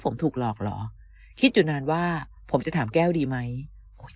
ผมถูกหลอกเหรอคิดอยู่นานว่าผมจะถามแก้วดีไหม